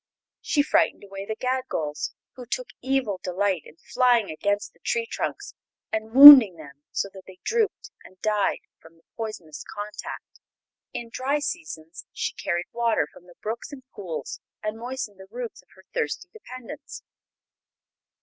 She frightened away the Gadgols, who took evil delight in flying against the tree trunks and wounding them so that they drooped and died from the poisonous contact. In dry seasons she carried water from the brooks and pools and moistened the roots of her thirsty dependents.